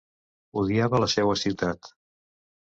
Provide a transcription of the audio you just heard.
Odiava la seua ciutat.